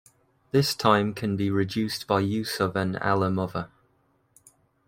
This time can be reduced by use of an allomother.